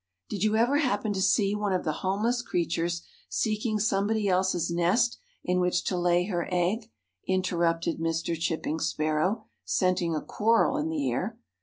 "Did you ever happen to see one of the homeless creatures seeking somebody else's nest in which to lay her egg?" interrupted Mr. Chipping Sparrow, scenting a quarrel in the air.